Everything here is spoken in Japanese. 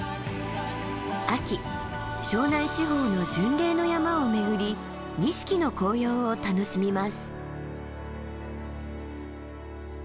秋庄内地方の巡礼の山を巡り錦の紅葉を楽しみます。